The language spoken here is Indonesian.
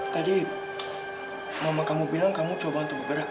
tadi mama kamu bilang kamu coba untuk bergerak